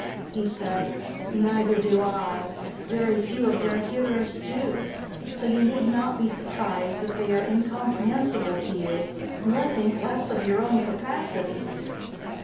He said, "Neither do I, very few of their hearers do, so you need not be surprised that they are incomprehensible to you, nor think less of your own capacity."